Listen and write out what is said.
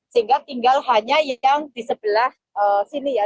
sehingga tinggal hanya yang di sebelah sini ya